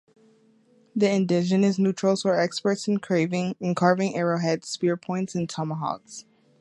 The Indigenous Neutrals were experts in carving arrowheads, spear points, and tomahawks.